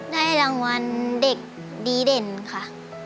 ได้รางวัลเด็กดีเด่นค่ะ